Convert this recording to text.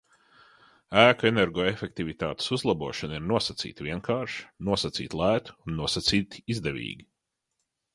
Ēku energoefektivitātes uzlabošana ir nosacīti vienkārša, nosacīti lēta un nosacīti izdevīga.